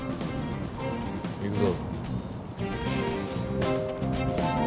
行くぞ。